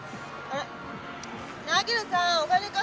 あっ！